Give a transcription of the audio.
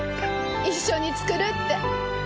一緒に作るって。